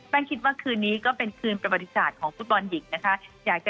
แป้งคิดว่าตอนนี้เป็นคืนประบัติศาสตร์ของฟุตบอลหญิง